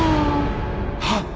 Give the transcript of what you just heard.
はっ！